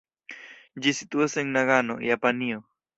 Ĝi situas en Nagano, Japanio.